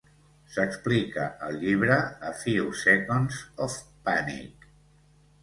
S'explica al llibre "A Few Seconds of Panic".